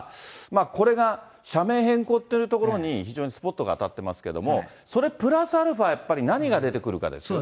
これが社名変更というところに非常にスポットが当たってますけれども、それプラスアルファ、何が出てくるかですよね。